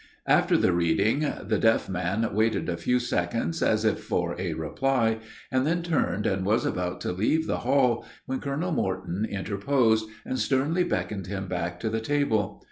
After the reading, the deaf man waited a few seconds, as if for a reply, and then turned and was about to leave the hall, when Colonel Morton, interposed, and sternly beckoned him back to the table.